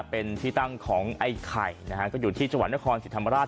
เป็นที่ตั้งของไอไข่นะฮะก็อยู่ที่จังหวันเลือดคอนศรีธรรมราช